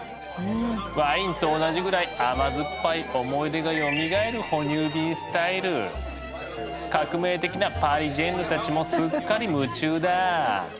ワインと同じぐらい甘酸っぱい思い出がよみがえる革命的なパリジェンヌたちもすっかり夢中だ。